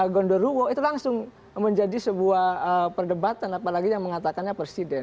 gondoruwo itu langsung menjadi sebuah perdebatan apalagi yang mengatakannya presiden